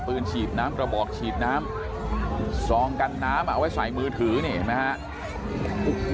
ฉีดน้ำกระบอกฉีดน้ำซองกันน้ำเอาไว้ใส่มือถือนี่เห็นไหมครับ